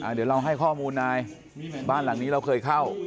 เดี๋ยวเราให้ข้อมูลนายบ้านหลังนี้เราเคยเข้า